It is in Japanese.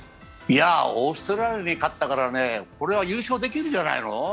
オーストラリアに勝ったからね、優勝できるんじゃないの？